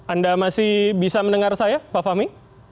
anda masih bisa mendengar saya pak fahmi